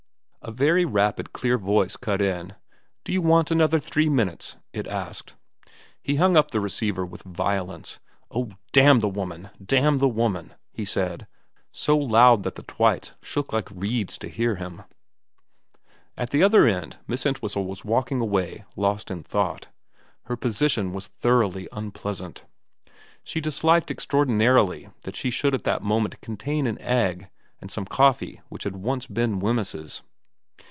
A very rapid clear voice cut in. ' Do you want another three minutes ?' it asked. He hung up the receiver with violence. ' Oh, damn the woman, damn the woman,' he said, so loud that the Twites shook like reeds to hear him. VEKA 315 At the other end Miss Entwhistle was walking away lost in thought. Her position was thoroughly un pleasant. She disliked extraordinarily that she should at that moment contain an egg and some coffee which had once been Wemyss's.